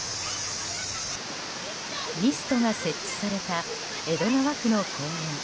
ミストが設置された江戸川区の公園。